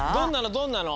どんなの？